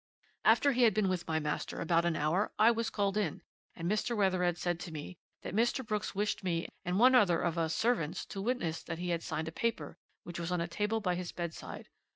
"'After he had been with my master about an hour I was called in, and Mr. Wethered said to me that Mr. Brooks wished me and one other of us servants to witness that he had signed a paper which was on a table by his bedside.